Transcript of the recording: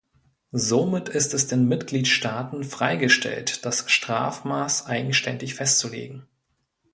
Somit ist es den Mitgliedstaaten freigestellt, das Strafmaß eigenständig festzulegen.